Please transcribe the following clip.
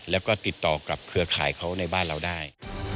แล้วก็ติดต่อกับเครือข่ายเขาในบ้านเราได้